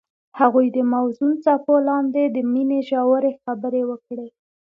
هغوی د موزون څپو لاندې د مینې ژورې خبرې وکړې.